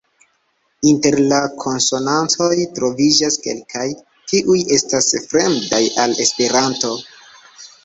Inter la konsonantoj troviĝas kelkaj, kiuj estas fremdaj al esperanto.